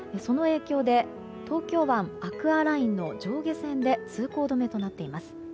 その影響で東京湾アクアラインの上下線で通行止めとなっています。